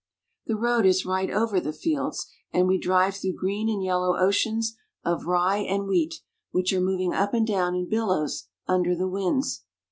The road is right over the fields, and we drive through green and yellow oceans of rye and wheat, which are mov ing up and down in billows under the winds.